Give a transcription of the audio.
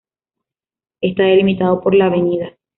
Está delimitado por la Av.